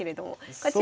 こちら。